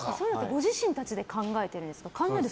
ご自身たちで考えてるんですか？